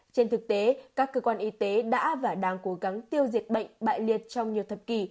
trên thực tế các cơ quan y tế đã và đang cố gắng tiêu diệt bệnh bại liệt trong nhiều thập kỷ